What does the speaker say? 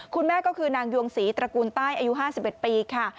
คุณแม่ก็คือนางยวงศรีตระกูลใต้อายุ๕๑ปีค่ะ